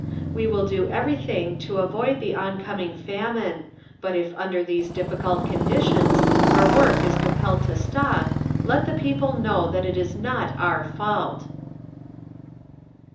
"WE WILL DO EVERYTHING TO AVOID THE ONCOMING FAMINE, BUT IF UNDER THESE DIFFICULT CONDITIONS OUR WORK IS COMPELLED TO STOP, LET THE PEOPLE KNOW THAT IT IS NOT OUR FAULT…." 15.